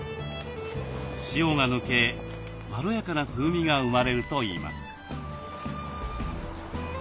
塩が抜けまろやかな風味が生まれるといいます。